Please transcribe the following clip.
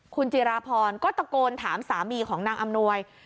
คุณจิราพรก็ตะโกนถามสามีของนางอำนวย